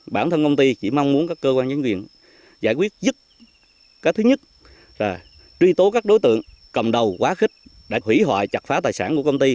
bản thân công ty chỉ mong muốn các cơ quan chứng viện giải quyết dứt cái thứ nhất là truy tố các đối tượng cầm đầu quá khích để hủy hoại chặt phá tài sản của công ty